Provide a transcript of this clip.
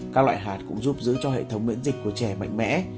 các loại hạt cũng giúp giữ cho hệ thống miễn dịch của trẻ mạnh mẽ